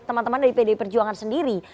teman teman dari pdi perjuangan sendiri